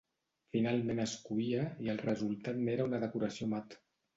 Finalment es coïa, i el resultat n'era una decoració mat.